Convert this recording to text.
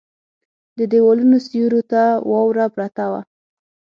د ديوالونو سيورو ته واوره پرته وه.